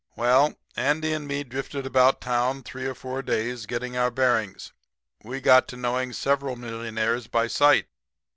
"Well Andy and me drifted about town three or four days getting our bearings. We got to knowing several millionaires by sight.